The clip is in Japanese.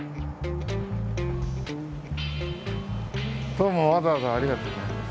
どうもわざわざありがとうございます。